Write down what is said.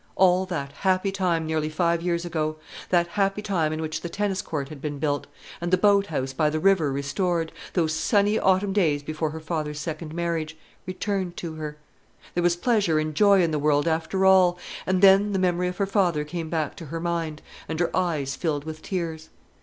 All that happy time, nearly five years ago, that happy time in which the tennis court had been built, and the boat house by the river restored, those sunny autumn days before her father's second marriage, returned to her. There was pleasure and joy in the world, after all; and then the memory of her father came back to her mind, and her eyes filled with tears.